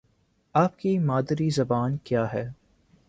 آپ کی مادری زبان کیا ہے؟